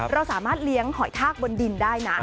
เราสามารถเลี้ยงหอยทากบนดินได้นะ